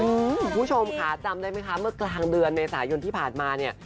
คุณผู้ชมค่ะจำได้มั้ยคะเมื่อกลางเดือนในสายนมีสมั้ย